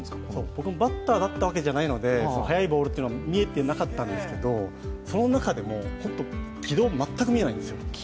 僕もバッターだったわけじゃないので、速いボールは見えてなかったんですけどその中でも軌道が全く見えないんですよ。